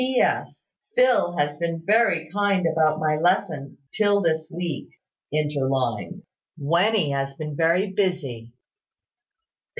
"PS. Phil has been very kind about my lessons, till this week [interlined], when he has been very busy.